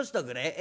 え？